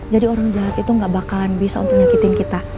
jadi orang jahat itu gak bakalan bisa untuk nyakitin kita